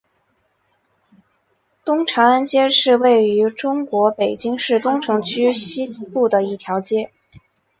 东长安街是位于中国北京市东城区西部的一条街。